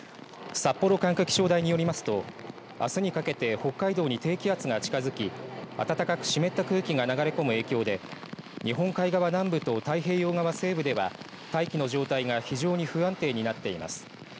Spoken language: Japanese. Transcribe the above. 札幌管区気象台よりますとあすにかけて北海道に低気圧が近づき暖かく湿った空気が流れ込む影響で日本海側南部と太平洋側西部では大気の状態が非常に不安定になっています。